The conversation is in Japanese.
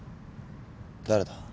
誰だ？